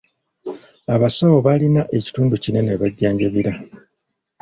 Abasawo baalina ekitundu kinene we bajjanjabira.